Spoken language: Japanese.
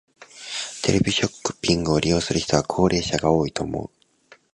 テレビショッピングを利用する人は高齢者が多いと思う。